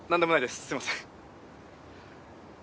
すいません。